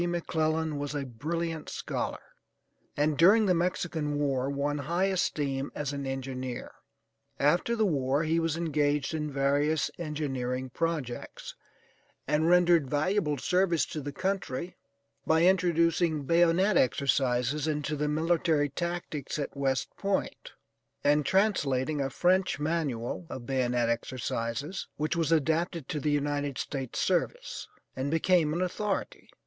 McClellan was a brilliant scholar, and during the Mexican war won high esteem as an engineer. After the war he was engaged in various engineering projects, and rendered valuable service to the country by introducing bayonet exercises into the military tactics at West Point, and translating a French Manual of Bayonet Exercises, which was adapted to the United States service, and became an authority.